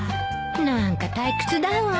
何か退屈だわ。